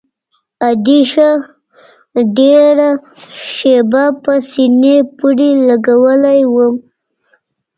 ادې ښه ډېره شېبه په سينې پورې لګولى وم.